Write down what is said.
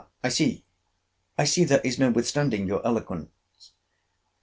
I see, I see, there is no withstanding your eloquence!